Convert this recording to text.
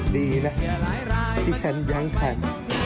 ดีนะที่ฉันยังแข็ง